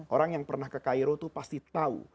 orang yang pernah ke cairo itu pasti tahu